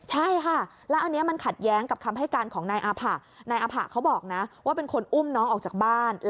ใช่ค่ะแล้วอันนี้มันขัดแย้งกับคำให้การของนายอาภา